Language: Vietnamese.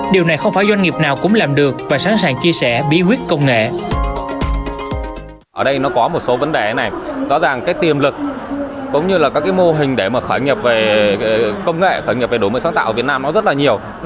điều này không phải doanh nghiệp nào cũng làm được và sẵn sàng chia sẻ bí quyết công nghệ